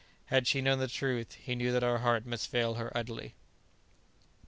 Had she known the whole truth, he knew that her heart must fail her utterly.